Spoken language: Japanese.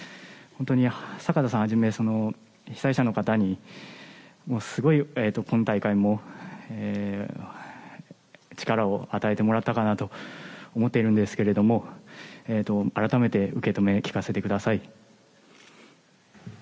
本当にさかたさんはじめ、その被災者の方に、すごい今大会も力を与えてもらったかなと思っているんですけれども、改めて受け止め、聞かせてください。